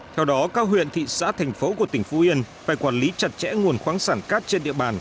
theo đó các huyện thị xã thành phố của tỉnh phú yên phải quản lý chặt chẽ nguồn khoáng sản cát trên địa bàn